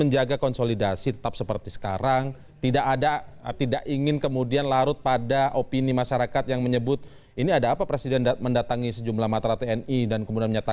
jadi menunggu presiden ya